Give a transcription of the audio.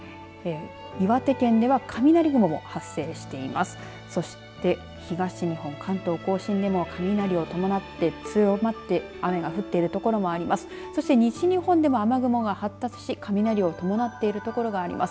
岩手県では雷雲も発生しています。